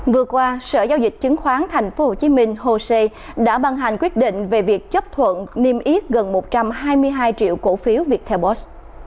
vừa qua sở giao dịch chứng khoán tp hcm hosea đã băng hành quyết định về việc chấp thuận niêm yết gần một trăm hai mươi hai triệu cổ phiếu viettelbot